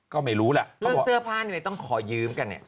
ก็ไม่รู้ล่ะเขาบอกเสื้อผ้านี่ไม่ต้องขอยืมกันเนี่ย